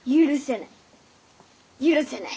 許せない。